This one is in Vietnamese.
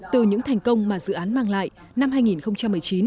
từ những thành công mà dự án mang lại năm hai nghìn một mươi chín